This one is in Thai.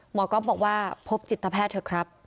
ก๊อฟบอกว่าพบจิตแพทย์เถอะครับ